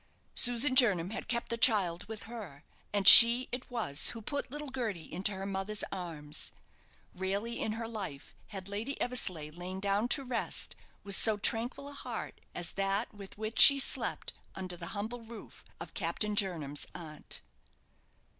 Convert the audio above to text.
Susan Jernam had kept the child with her, and she it was who put little Gerty into her mother's arms. Rarely in her life had Lady Eversleigh lain down to rest with do tranquil a heart as that with which she slept under the humble roof of Captain Jernam's aunt.